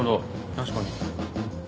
確かに。